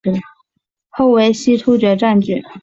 后为西突厥占据。